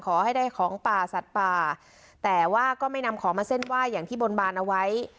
ขอให้ได้ของป่าสัตว์ป่าแต่ว่าก็ไม่นำของมาเส้นไหว้อย่างที่บนบานเอาไว้